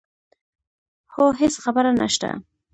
هو هېڅ خبره نه شته.